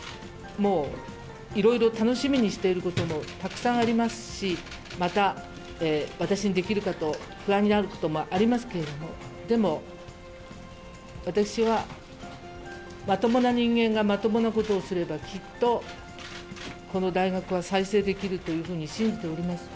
もういろいろ、楽しみにしていることもたくさんありますし、また私にできるかと不安になることもありますけれども、でも、私はまともな人間がまともなことをすれば、きっとこの大学は再生できるというふうに信じております。